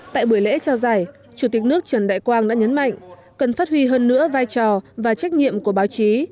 tại buổi lễ trao giải chủ tịch nước trần đại quang đã nhấn mạnh cần phát huy hơn nữa vai trò và trách nhiệm của báo chí